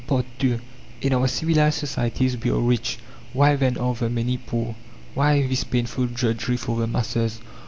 II In our civilized societies we are rich. Why then are the many poor? Why this painful drudgery for the masses?